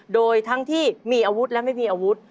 โดยทั้งที่มีอาวุธและไม่มีอาวุธ